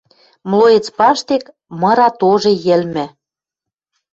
Млоец паштек мыра тоже йӹлмӹ